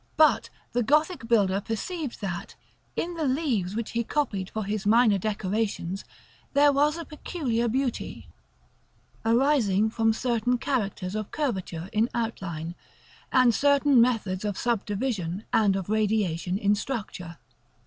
But the Gothic builder perceived that, in the leaves which he copied for his minor decorations, there was a peculiar beauty, arising from certain characters of curvature in outline, and certain methods of subdivision and of radiation in structure.